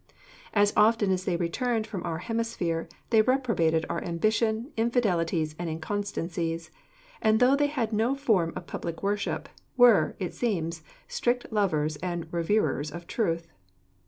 As often as they returned from our hemisphere, they reprobated our ambition, infidelities, and inconstancies; and though they had no form of public worship, were, it seems, strict lovers and reverers of truth.